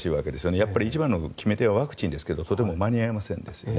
やっぱり一番の決め手はワクチンですけどもそれでも間に合いませんよね。